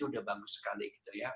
sudah bagus sekali